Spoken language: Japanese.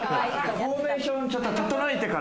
フォーメーション整えてから。